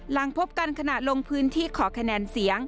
หลังพบกันขณะลงพื้นที่ขอคะแนนเสียง